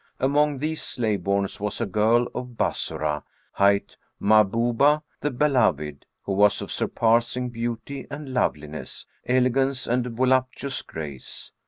Among these slave borns was a girl of Bassorah, hight Mahbъbah, the Beloved, who was of surpassing beauty and loveliness, elegance and voluptuous grace.